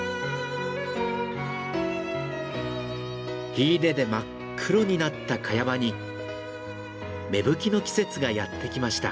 火入れで真っ黒になったカヤ場に芽吹きの季節がやって来ました。